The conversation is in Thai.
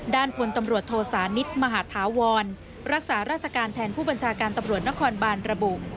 ด้านพลตำรวจโทสานิทมหาธาวรรักษาราชการแทนผู้บัญชาการตำรวจนครบานระบุ